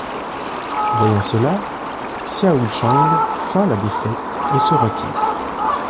Voyant cela, Xiahou Shang feint la défaite et se retire.